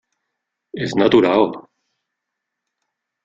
És natural.